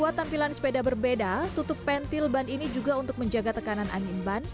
untuk tampilan sepeda berbeda tutup pentil ban ini juga untuk menjaga tekanan angin ban